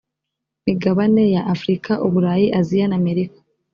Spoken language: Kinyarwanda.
migabane ya afurika uburayi aziya na amerika